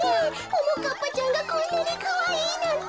ももかっぱちゃんがこんなにかわいいなんて。